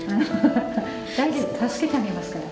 大丈夫助けてあげますから。